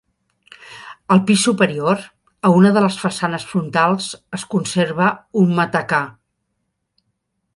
Al pis superior, a una de les façanes frontals es conserva un matacà.